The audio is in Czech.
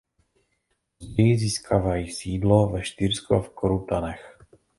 Později získávají sídlo ve Štýrsku a v Korutanech.